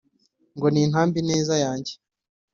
ngo nintambe ineza, yange